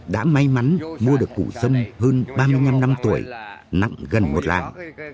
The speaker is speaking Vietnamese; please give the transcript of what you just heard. đã may mắn mua được cụ sâm hơn ba mươi năm năm tuổi nặng gần một lạng